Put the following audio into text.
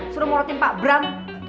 suruh murotin pak bram